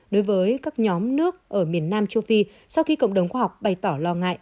đối với các nhóm nước ở miền nam châu phi sau khi cộng đồng khoa học bày tỏ lo ngại